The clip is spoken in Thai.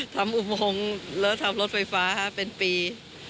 อุโมงแล้วทำรถไฟฟ้าเป็นปี